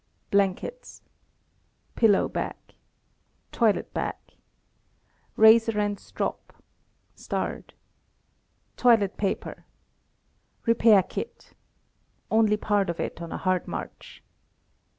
Blankets. Pillow bag. Toilet bag. (See page 34.) * Razor and strop. Toilet paper. Repair kit (only part of it on a hard march).